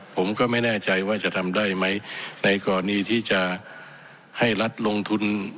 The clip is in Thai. ผมก็ไม่แน่ใจว่าจะทำได้ไหมในกรณีที่จะให้รัฐลงทุน